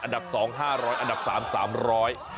อันดับ๒ห้าร้อยอันดับ๓สามร้อย